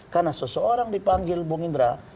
karena seseorang dipanggil bung indra